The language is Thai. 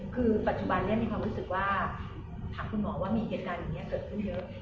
คือปัจจุบันนี้มีความรู้สึกว่าถามคุณหมอว่ามีเหตุการณ์อย่างนี้เกิดขึ้นเยอะ